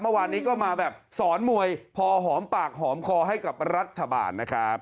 เมื่อวานนี้ก็มาแบบสอนมวยพอหอมปากหอมคอให้กับรัฐบาลนะครับ